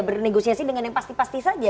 bernegosiasi dengan yang pasti pasti saja